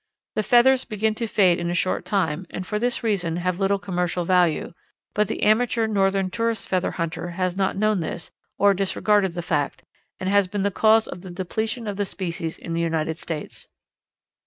The feathers begin to fade in a short time and for this reason have little commercial value, but the amateur Northern tourist feather hunter has not known this, or disregarded the fact, and has been the cause of the depletion of the species in the United States.